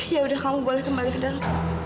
ya udah kamu boleh kembali ke dalam